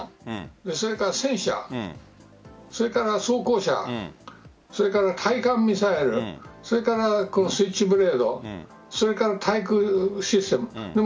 それから戦車それから装甲車それから対艦ミサイルそれからスイッチブレード地対空システム。